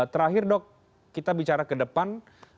terakhir dok kita bicara ke depan